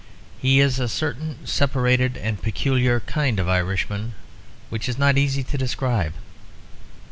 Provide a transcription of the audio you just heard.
He is a certain separated and peculiar kind of Irishman, which is not easy to describe.